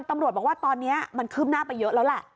ตำรวจบอกว่าตอนนี้มันคืบหน้าไปเยอะแล้วแหละ